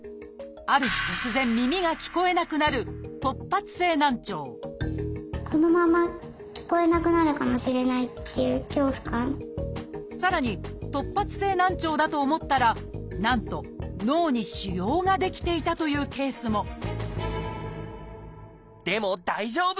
ある日突然耳が聞こえなくなるさらに突発性難聴だと思ったらなんと脳に腫瘍が出来ていたというケースもでも大丈夫！